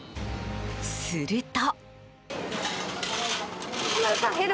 すると。